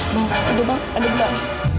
bang ada bang ada beneran